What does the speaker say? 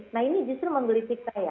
nah ini justru membeli cita ya